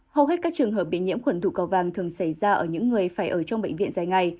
hầu hết các trường hợp bị nhiễm khuẩn thủ cầu vàng thường xảy ra ở những người phải ở trong bệnh viện dài ngày